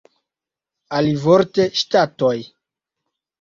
Alivorte ŝtatoj.